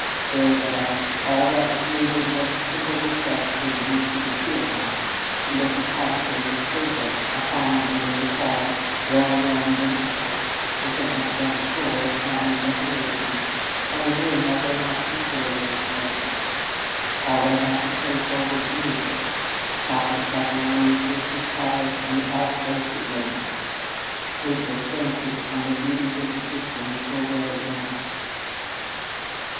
Very well; all that was needed was a simple request for the use of the field house and they could have at their disposal a fine, airy hall, well warmed and lighted, with an excellent floor, charming decorations, and a room where they might prepare their refreshments. All they had to pay for was the music. Proper chaperonage was required and the hall closed at midnight. Kate descanted on the beauties of the system till Ray yawned.